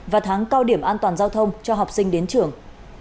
và tháng cao điểm an toàn giao thông cho học sinh đến trường